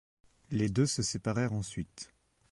Les deux se séparèrent ensuite.